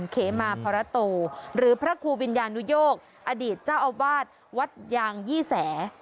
เขมาพรโตหรือพระครูวิญญานุโยกอดีตเจ้าอาวาสวัดยางยี่แส